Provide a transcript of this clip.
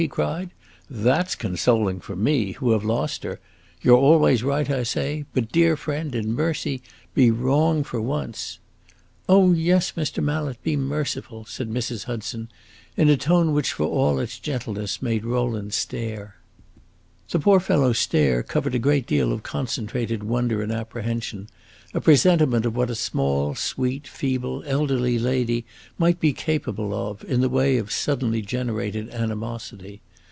he cried. "That 's consoling for me, who have lost her! You 're always right, I say; but, dear friend, in mercy, be wrong for once!" "Oh yes, Mr. Mallet, be merciful!" said Mrs. Hudson, in a tone which, for all its gentleness, made Rowland stare. The poor fellow's stare covered a great deal of concentrated wonder and apprehension a presentiment of what a small, sweet, feeble, elderly lady might be capable of, in the way of suddenly generated animosity.